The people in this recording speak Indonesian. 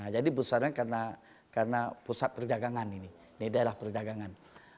jadi pusatnya karena pusat perdagangan ini di daerah perdagangan